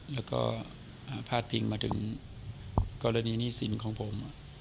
แล้วก็พาดพิงมาถึงกรณีหนี้สินของผม